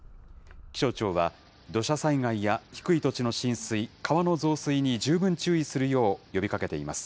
気象庁は土砂災害や低い土地の浸水、川の増水に十分注意するよう呼びかけています。